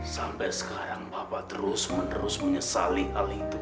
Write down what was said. sampai sekarang bapak terus menerus menyesali hal itu